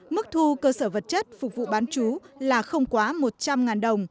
mức thu cơ sở vật chất phục vụ bán chú là không quá một trăm linh đồng